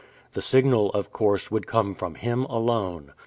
The signal, of course, could come from him, alone.